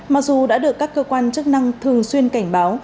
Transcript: mặc dù đã được các cơ quan chức năng thường xuyên cảnh báo